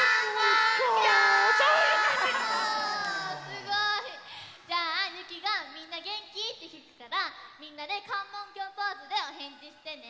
すごい！じゃあゆきが「みんなげんき？」ってきくからみんなでかんもんきょうポーズでおへんじしてね。